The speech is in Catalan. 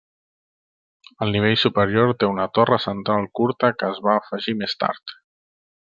El nivell superior té una torre central curta que es va afegir més tard.